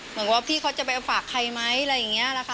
เหมือนว่าพี่เขาจะไปฝากใครไหมอะไรอย่างนี้นะคะ